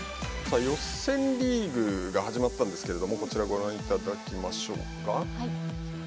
予選リーグが始まったんですがこちらご覧いただきましょうか。